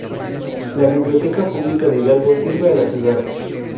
La Biblioteca Pública de Hidalgo sirve a la ciudad.